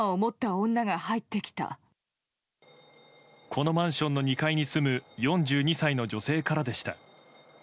このマンションの２階に住む４２歳の女性からでした。